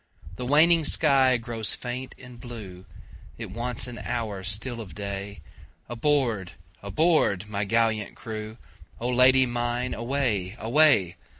The waning sky grows faint and blue, It wants an hour still of day, Aboard! aboard! my gallant crew,O Lady mine away! away!